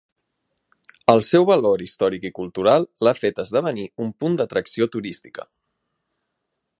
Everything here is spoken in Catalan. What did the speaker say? El seu valor històric i cultural l'ha fet esdevenir un punt d'atracció turística.